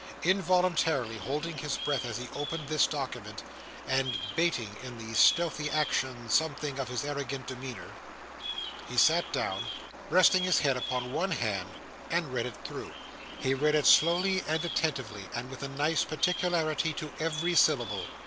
Involuntarily holding his breath as he opened this document, and "bating in the stealthy action something of his arrogant demeanour, he sat down, resting his head upon one hand, and read it through. He read it slowly and attentively, and with a nice particularity to every syllable.